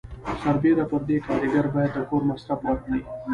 سربیره پر دې کارګر باید د کور مصرف ورکړي.